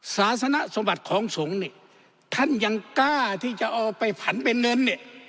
ศาสนสมบัติของสงฆ์ท่านยังกล้าที่จะเอาไปผันเป็นเงิน